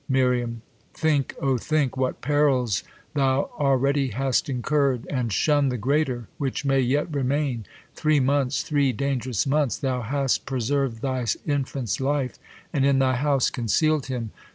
Mir, Think, O think, What perils thou already hast incurrd ; And shun the greater, which may yet remain, [serv'd Three months, three dang'rous months thou hast pre Thy infant's life, and in thy house conceaPd him!